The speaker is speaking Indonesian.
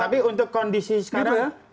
tapi untuk kondisi sekarang